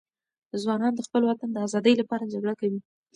ځوانان د خپل وطن د آزادۍ لپاره جګړه کوي.